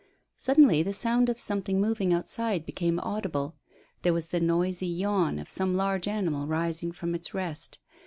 Suddenly the sound of something moving outside became audible. There was the noisy yawn of some large animal rising from its rest.